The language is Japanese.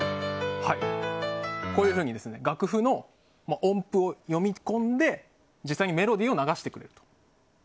こういうふうに楽譜の音符を読み込んで実際にメロディーを流してくれる。